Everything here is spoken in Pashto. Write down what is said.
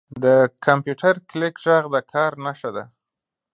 • د کمپیوټر کلیک ږغ د کار نښه ده.